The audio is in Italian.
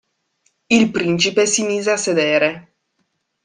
Il principe si mise a sedere.